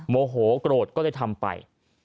โมโหโกรธก็เลยทำไป